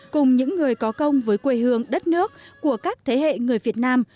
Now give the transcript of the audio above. cùng những người có công với quê hương đất nước của các thế hệ người việt nam